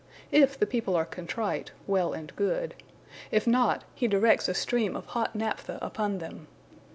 If the people are contrite, well and good; if not, he directs a stream of hot naphtha upon them.